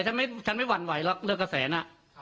เช่นฉันไม่หวั่นไหวแล้วเลือกกระแสน